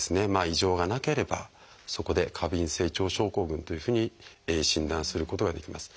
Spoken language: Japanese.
異常がなければそこで「過敏性腸症候群」というふうに診断することができます。